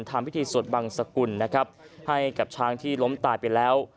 ทำพิธีสวดบังสกุลนะครับให้กับช้างที่ล้มตายไปแล้ว